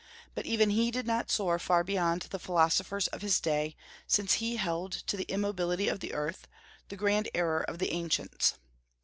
But even he did not soar far beyond the philosophers of his day, since he held to the immobility of the earth, the grand error of the ancients.